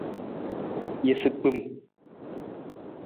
Isagbim.